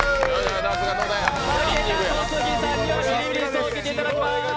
小杉さんにはビリビリ椅子受けていただきまーす。